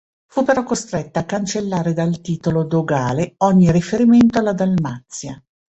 Fu però costretta a cancellare dal titolo dogale ogni riferimento alla Dalmazia.